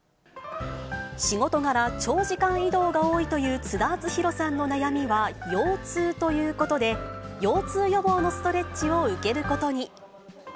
仕事柄、長時間移動が多いという津田篤宏さんの悩みは、腰痛ということで、腰痛予防のストレッチを受けることに。